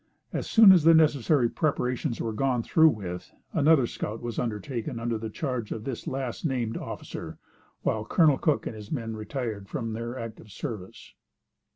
As soon as the necessary preparations were gone through with, another scout was undertaken under charge of this last named officer, while Col. Cook and his men retired from their active service.